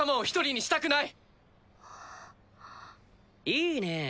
・いいねぇ。